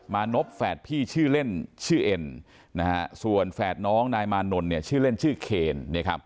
นบแฝดพี่ชื่อเล่นชื่อเอ็นส่วนแฝดน้องนายมานนท์ชื่อเล่นชื่อเคน